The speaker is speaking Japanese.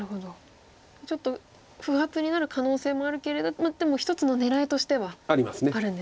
ちょっと不発になる可能性もあるけれどでも一つの狙いとしては。あります。